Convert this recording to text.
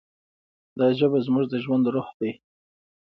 دا ژبه زموږ د ژوند روح دی.